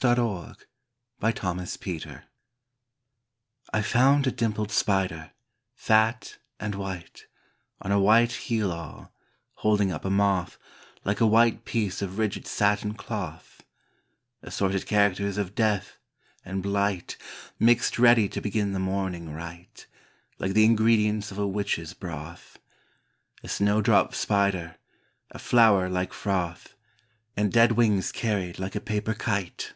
37 Robert Frost DESIGN I FOUND a dimpled spider, fat and white, On a white heal all, holding up a moth Like a white piece of rigid satin cloth — Assorted characters of death and blight Mixed ready to begin the morning right, Like the ingredients of a witches' broth — A snow drop spider, a flower like froth, And dead wings carried like a paper kite.